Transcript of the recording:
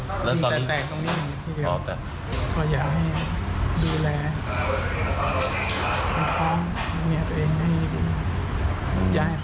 คนที่ท้องมักหนักคนที่แพ้มัก